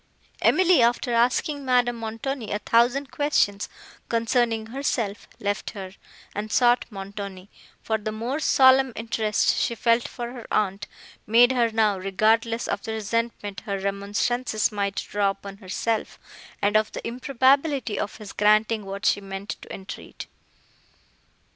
Emily, after asking Madame Montoni a thousand questions concerning herself, left her, and sought Montoni; for the more solemn interest she felt for her aunt, made her now regardless of the resentment her remonstrances might draw upon herself, and of the improbability of his granting what she meant to entreat.